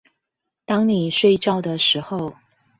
當你睡覺的時候